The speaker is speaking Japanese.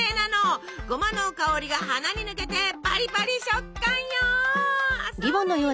ゴマの香りが鼻に抜けてパリパリ食感よあっそれ！